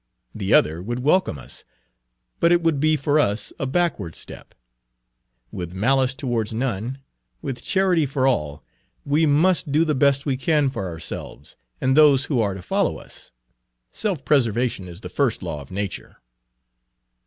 The other would welcome us, but it would be for us a backward step. 'With malice towards none, with charity for all,' we must do the best we can for ourselves and those who are to follow us. Self preservation is the first law of nature."